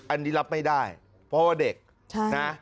อันนี้รับไม่ได้เพราะว่าเด็กนะ